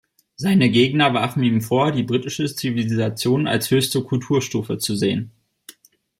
Seine Gegner warfen ihm vor, die britische Zivilisation als höchste Kulturstufe zu sehen.